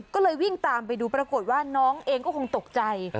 ก็เลยวิ่งตามไปดูปรากฏว่าน้องเองก็คงตกใจ